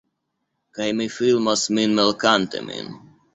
Kaj mi filmos min melkante min